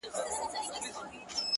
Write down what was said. • د زرګونو چي یې غاړي پرې کېدلې ,